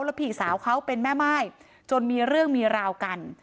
แล้วพี่สาวเขาเป็นแม่ม่ายจนมีเรื่องมีราวกัน